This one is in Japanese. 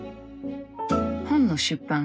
本の出版